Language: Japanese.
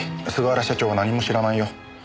菅原社長は何も知らないよ。